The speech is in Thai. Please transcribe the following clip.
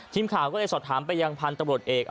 ทีมข่างก็จะจ่อถามไปยังพันตรวจเอก